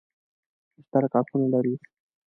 مشترک اړخونه لري.